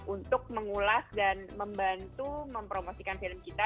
untuk mengulas dan membantu mempromosikan film kita